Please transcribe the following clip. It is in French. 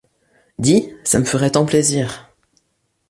Dis? ça me ferait tant plaisir!